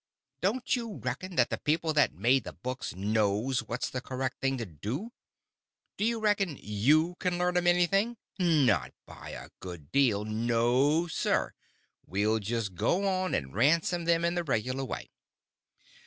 Don't you reckon that the people that made the books knows what's the correct thing to do? Do you reckon you can learn 'em anything? Not by a good deal. No, sir, we'll just go on and ransom them in the regular way."